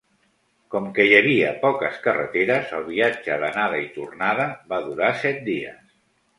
Com que hi havia poques carreteres, el viatge d'anada i tornada va durar set dies.